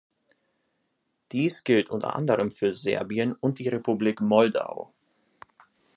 Dies gilt unter anderem für Serbien und die Republik Moldau.